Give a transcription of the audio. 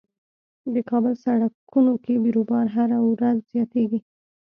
د کابل سړکونو کې بیروبار هر ورځ زياتيږي.